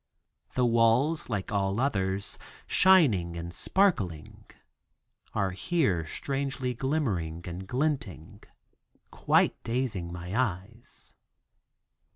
The walls, like all others, shining and sparkling, are here, strangely glimmering and glinting, quite dazing my eyes.